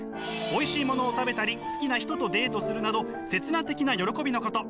おいしいものを食べたり好きな人とデートするなど刹那的な喜びのこと。